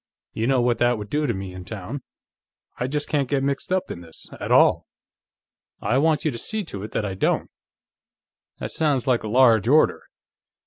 You know what that would do to me, in town. I just can't get mixed up in this, at all. I want you to see to it that I don't." "That sounds like a large order."